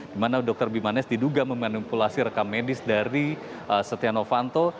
dimana dr bimanesh diduga memanipulasi rekam medis dari setia novanto